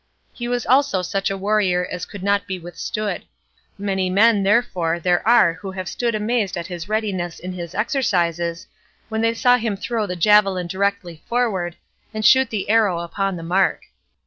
He was also such a warrior as could not be withstood: many men, therefore, there are who have stood amazed at his readiness in his exercises, when they saw him throw the javelin directly forward, and shoot the arrow upon the mark.